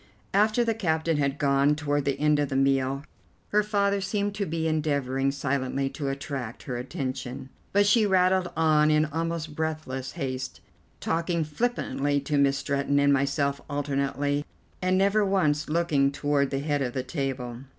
After the captain had gone, toward the end of the meal, her father seemed to be endeavouring silently to attract her attention; but she rattled on in almost breathless haste, talking flippantly to Miss Stretton and myself alternately, and never once looking toward the head of the table.